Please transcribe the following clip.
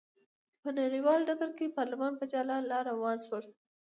په نړیوال ډګر کې پارلمان په جلا لار روان شو.